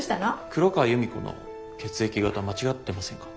黒川由美子の血液型間違ってませんか？